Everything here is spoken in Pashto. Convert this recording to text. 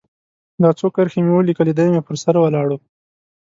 دا څو کرښې مې ولیکلې، دی مې پر سر ولاړ و.